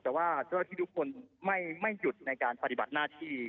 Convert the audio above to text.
แต่ว่าเจ้าที่ทุกคนไม่หยุดในการปฏิบัติหน้าที่